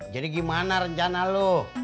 jadi gimana rencana lu